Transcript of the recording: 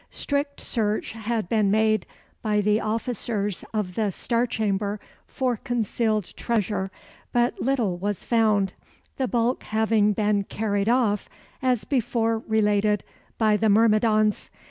Strict search had been made by the officers of the Star Chamber for concealed treasure, but little was found, the bulk having been carried off, as before related, by the myrmidons.